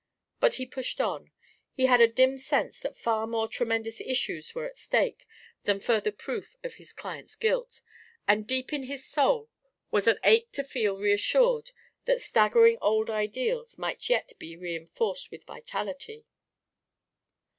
But he pushed on. He had a dim sense that far more tremendous issues were at stake than further proof of his client's guilt, and deep in his soul was an ache to feel reassured that staggering old ideals might yet be reinforced with vitality.